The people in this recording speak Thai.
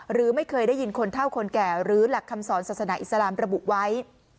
หรือไม่เคยได้ยินคนเท่าคนแก่หรือหลักคำสอนศาสนาอิสลามระบุไว้